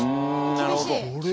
厳しい。